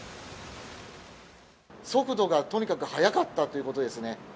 速度がとにかく速かったということですね。